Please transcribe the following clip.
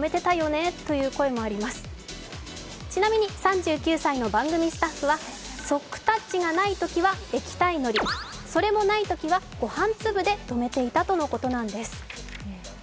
ちなみに３９歳の番組スタッフはソックタッチがないときは液体のりそれもないときは御飯粒で止めていたとのことなんです。